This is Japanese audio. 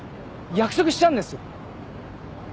約束したんです！